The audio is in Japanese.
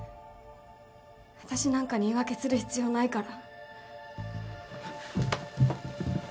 私なんかに言い訳する必要ないから。